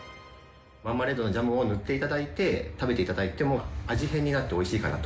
マーマレードのジャムを塗っていただいて食べていただいても、味変になっておいしいかなと。